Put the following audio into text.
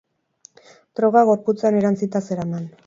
Droga gorputzean erantzita zeraman.